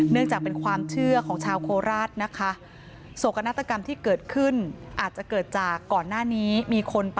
เนื่องจากเป็นความ